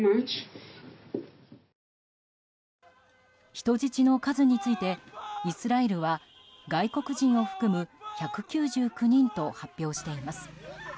人質の数についてイスラエルは外国人を含む１９９人と発表しています。